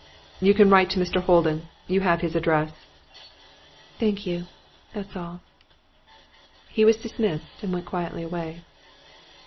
'You can write to Mr Holden; you have his address.' 'Thank you. That's all.' He was dismissed, and went quietly away.